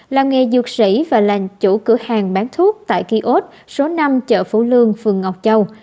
làng nghề dược sĩ và là chủ cửa hàng bán thuốc tại kiosk số năm chợ phú lương phường ngọc châu